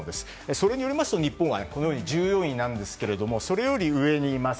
それによると日本は１４位ですがそれより上にいます